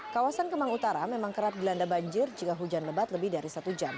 kawasan kemang utara memang kerap dilanda banjir jika hujan lebat lebih dari satu jam